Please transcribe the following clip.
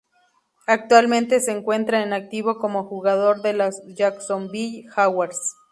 Actualmente se encuentra en activo como jugador de los Jacksonville Jaguars.